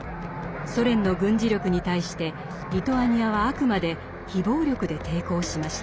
ソ連の軍事力に対してリトアニアはあくまで非暴力で抵抗しました。